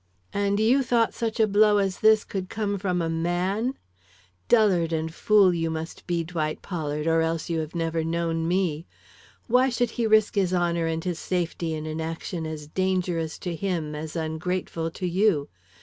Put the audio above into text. "And you thought such a blow as this could come from a man! Dullard and fool you must be, Dwight Pollard, or else you have never known me. Why should he risk his honor and his safety in an action as dangerous to him as ungrateful to you?